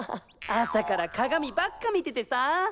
朝から鏡ばっか見ててさ。